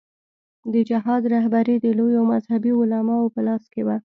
د جهاد رهبري د لویو مذهبي علماوو په لاس کې وه.